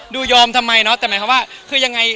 ยอมทำไมเนาะแต่หมายความว่าคือยังไง